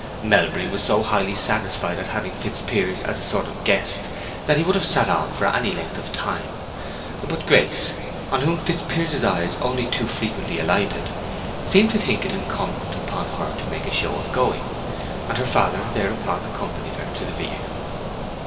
Melbury was so highly satisfied at having Fitzpiers as a sort of guest that he would have sat on for any length of time, but Grace, on whom Fitzpiers's eyes only too frequently alighted, seemed to think it incumbent upon her to make a show of going; and her father thereupon accompanied her to the vehicle.